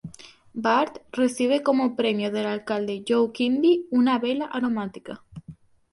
Bart recibe como premio del alcalde Joe Quimby una vela aromática.